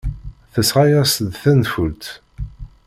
Tesɣa-as-d tanfult.